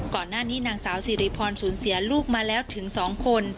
ก่อนหน้านี้นางสาวสิริพรสูญเสียลูกมาแล้วถึง๒คน